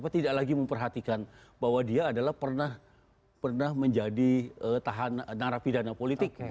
tidak lagi memperhatikan bahwa dia adalah pernah menjadi narapidana politik